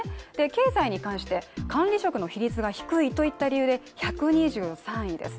経済に関して、管理職の比率が低いといった理由で、１２３位です。